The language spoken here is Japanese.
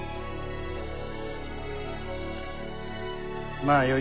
まあよい。